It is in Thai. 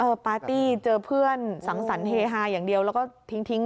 ปาร์ตี้เจอเพื่อนสังสรรคเฮฮาอย่างเดียวแล้วก็ทิ้ง